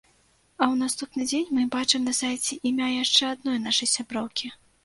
А ў наступны дзень мы бачым на сайце імя яшчэ адной нашай сяброўкі.